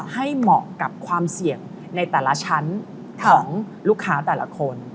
เหมาะกับความเสี่ยงในแต่ละชั้นของลูกค้าแต่ละคน